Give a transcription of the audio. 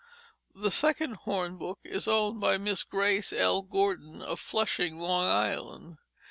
The second hornbook is owned by Miss Grace L. Gordon of Flushing, Long Island.